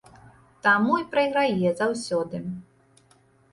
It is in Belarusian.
Таму і прайграе заўсёды.